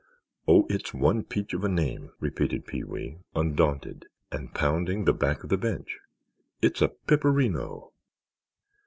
"Oh, it's one peach of a name!" repeated Pee wee, undaunted, and pounding the back of the bench. "It's a piperino!"